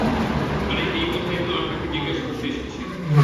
আরে, এই কথাই তো আপনাকে জিজ্ঞেস করতে এসেছি।